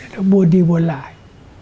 nó buôn đi buôn lại